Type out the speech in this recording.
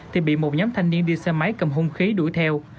thì bị một nhóm thanh niên đi xe máy cầm hung khí đuổi theo